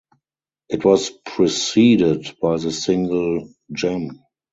It was preceded by the single "Gem".